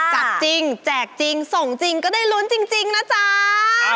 จับจริงแจกจริงส่งจริงก็ได้ลุ้นจริงนะจ๊ะ